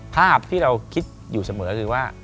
ภาพที่เราคิดอยู่เสมอคือว่า